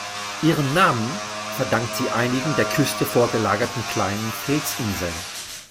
Ihren Namen verdankt sie einigen der Küste vorgelagerten kleinen Felsinseln.